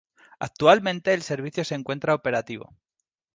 Actualmente el servicio se encuentra operativo.